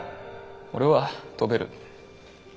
俺は飛べる。